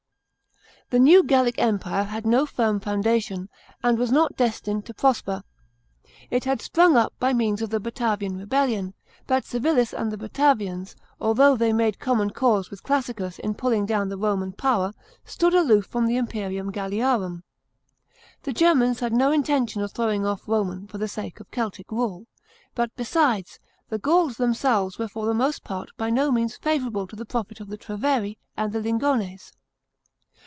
§ 9. The new Gallic empire had no firm foundation, and was not destined to prosper. It had sprung up by means of the Batavian rebellion; but Civilis and the Batavians, although they made common cause with Classicus in pulling down the Roman power, stood aloof from the imperium Qalliarum. The Germans had no intention of throwing off Roman for the sake of Celtic rule. But besides, the Gauls themselves were for the most part by no means favourable to the project of the Treveri and the Lingeries.